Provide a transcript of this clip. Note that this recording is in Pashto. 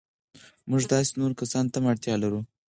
موږ داسې نورو کسانو ته هم اړتیا لرو.